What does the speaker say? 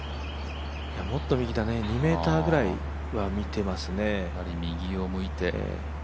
いや、もっと右だね、２ｍぐらいは見てますね。